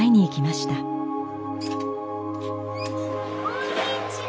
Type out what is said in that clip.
こんにちは。